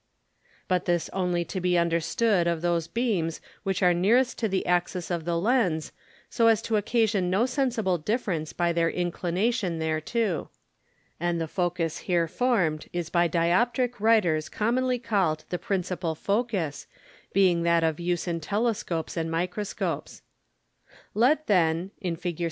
But this only to be understood of those Beams which are nearest to the Axis of the Lens, so as to occasion no sensible difference by their Inclination thereto; and the Focus here formed, is by Dioptrick Writers commonly call'd the principal Focus, being that of use in Telescopes and Microscopes. Let then (in _Fig.